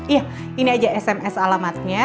iya ini aja sms alamatnya